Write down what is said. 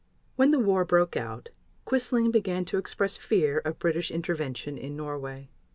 When the war broke out Quisling began to express fear of British intervention in Norway.